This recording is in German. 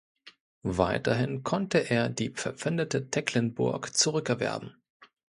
Weiterhin konnte er die verpfändete Tecklenburg zurückerwerben.